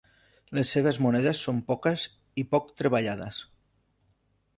Les seves monedes són poques i poc treballades.